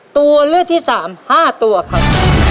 ตัวเลือกที่๓๕ตัวครับ